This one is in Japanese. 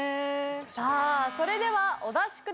さあそれではお出しください。